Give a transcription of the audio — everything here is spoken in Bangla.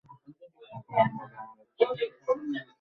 এখন আপনাকে আমার একটা উপকার করতে হবে।